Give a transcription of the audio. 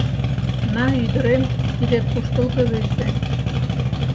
— На, ӱдырем, кидет куштылго лийже!